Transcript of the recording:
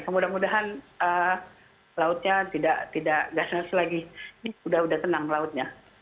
mudah mudahan lautnya tidak gas nasi lagi sudah tenang lautnya